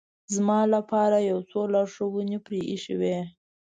زما لپاره یو څو لارښوونې پرې اېښې وې.